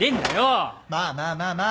まあまあまあまあ。